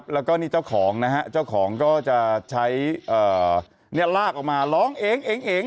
แล้วก็นี่เจ้าของนะฮะเจ้าของก็จะใช้ลากออกมาร้องเอง